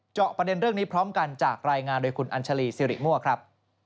เจาะประเด็นเรื่องนี้พร้อมกันจากรายงานโดยคุณอัญชาลีสิริมั่วครับ